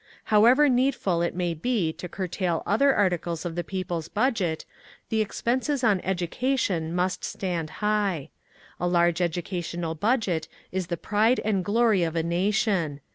However needful it may be to curtail other articles of the people's budget, the expenses on education must stand high. A large educational budget is the pride and glory of a nation.